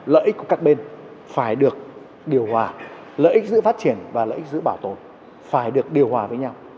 lợi ích của các bên phải được điều hòa lợi ích giữ phát triển và lợi ích giữ bảo tồn phải được điều hòa với nhau